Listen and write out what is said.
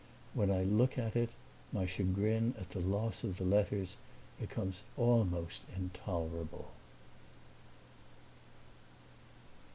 When I look at it my chagrin at the loss of the letters becomes almost intolerable.